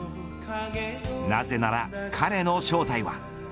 なぜなら、彼の正体は。